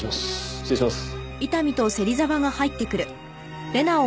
失礼します。